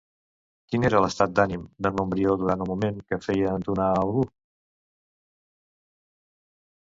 Quin era l'estat d'ànim d'en Montbrió durant el moment que feia entonar a algú?